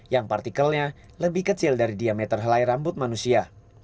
yang partikelnya lebih kecil dari diameter helai rambut manusia